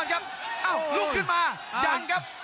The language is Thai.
รุกขึ้นมาอยังครับ